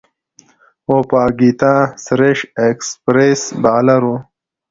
وپاګیتا سريش ایکسپریس بالر وه.